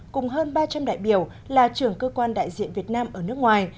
cùng hơn ba trăm linh đại biểu là trưởng cơ quan đại diện việt nam ở nước ngoài